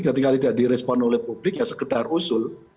ketika tidak di respon oleh publik ya sekedar usul